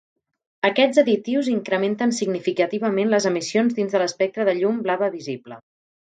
Aquests additius incrementen significativament les emissions dins de l'espectre de llum blava visible.